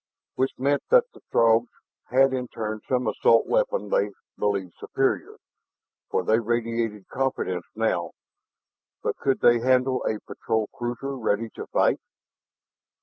Which meant that the Throgs had in turn some assault weapon they believed superior, for they radiated confidence now. But could they handle a patrol cruiser ready to fight?